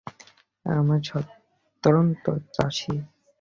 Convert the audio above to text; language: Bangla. আমরা স্বতন্ত্র চাষী।